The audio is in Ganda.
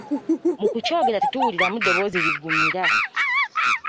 Mu kukyogera tetuwuliramu ddoboozi liggumira.